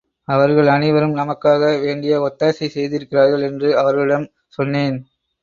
அவர்கள் அனைவரும் நமக்காக வேண்டிய ஒத்தாசை செய்திருக்கிறார்கள் என்று அவர்களிடம் சொன்னேன்.